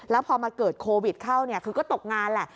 แล้วพอมาเกิดโควิดเข้าคือก็ตกงานแหละ